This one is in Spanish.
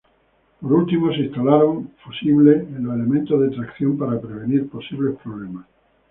Por último se instalaron fusibles en los elementos de tracción para prevenir posibles problemas.